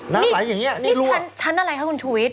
น้ำหรอยอย่างนี้ลั่วนี่ชั้ณอะไรคะคุณชุวิต